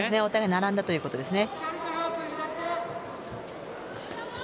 並んだということですね。